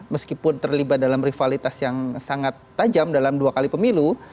meskipun terlibat dalam rivalitas yang sangat tajam dalam dua kali pemilu